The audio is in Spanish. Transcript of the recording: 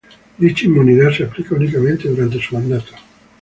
Dicha inmunidad se aplica únicamente durante su mandato.